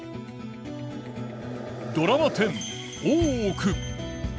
ドラマ１０「大奥」。